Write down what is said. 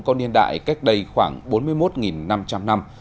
có niên đại cách đây khoảng bốn mươi một năm trăm linh năm